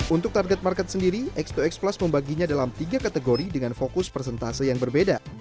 untuk target market sendiri x dua x plus membaginya dalam tiga kategori dengan fokus persentase yang berbeda